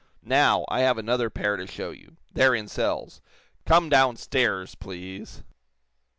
Now, I have another pair to show you. They're in cells. Come downstairs, please."